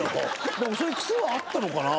でもそういう癖はあったのかな？